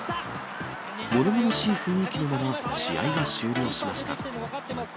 ものものしい雰囲気のまま試合は終了しました。